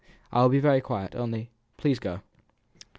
I will be very quiet; only, please, go."